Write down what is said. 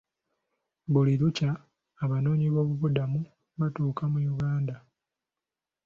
Buli lukya abanoonyi boobubudamu batuuka mu Uganda.